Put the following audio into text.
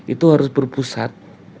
itu harus berpusat